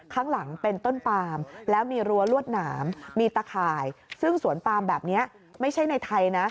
ข้างหลังเป็นต้นปามแล้วมีรั้วลวดหนามมีตะข่ายซึ่งสวนปามแบบนี้ไม่ใช่ในไทยนะ